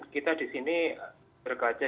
kita di sini berkaca